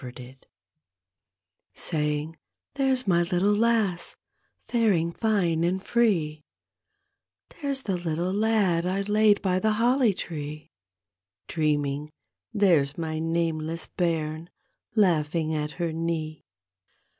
D,gt,, erihyGOOglC 23 The Haunted Hour Saying: there's my little lass, faring fine and free, There's the little lad I laid by the holly tree, Dreaming: There's my nameless baim laughing at her knee.